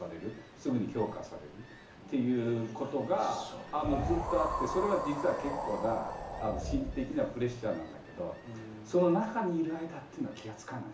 すぐに評価されるっていうことがずっとあってそれは実は結構な心理的にはプレッシャーなんだけどその中にいる間っていうのは気が付かない。